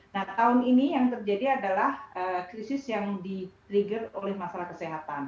nah tahun ini yang terjadi adalah krisis yang di trigger oleh masalah kesehatan